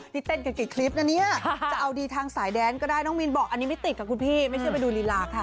เต้นกันกี่คลิปนะเนี่ยจะเอาดีทางสายแดนก็ได้น้องมินบอกอันนี้ไม่ติดค่ะคุณพี่ไม่เชื่อไปดูลีลาค่ะ